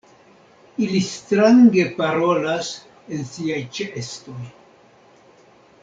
Ili strange parolas en siaj ĉeestoj.